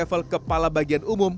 level kepala bagian umum